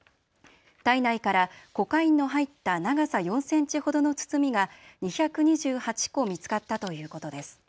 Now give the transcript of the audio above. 体内からコカインの入った長さ４センチほどの包みが２２８個見つかったということです。